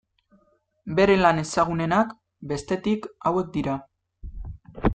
Bere lan ezagunenak, bestetik, hauek dira.